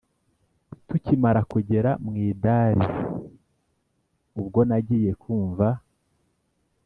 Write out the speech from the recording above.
tukimara kugera mwidari ubwo nagiye kumva